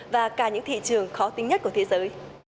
và cả những thị trường khó tính nhất của thế giới